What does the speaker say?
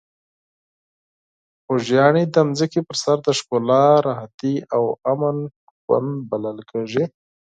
خوږیاڼي د ځمکې په سر د ښکلا، راحتي او امن ګوند بلل کیږي.